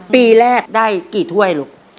ปีแรกได้กี่ถ้วยลูก